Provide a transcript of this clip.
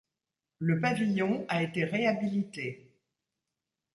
Le pavillon a été réhabilité.